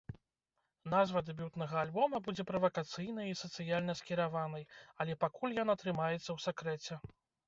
Назва дэбютнага альбома будзе правакацыйнай і сацыяльна скіраванай, але пакуль яна трымаецца ў сакрэце.